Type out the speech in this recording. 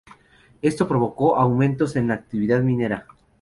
Esto provocó aumentos en la actividad minera.